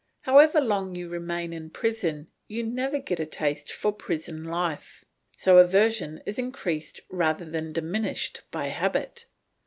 However long you remain in prison you never get a taste for prison life; so aversion is increased rather than diminished by habit.